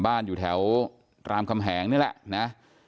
อยู่แถวรามคำแหงนี่แหละนะ